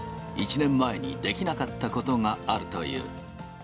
１年前にできなかったことがあるという。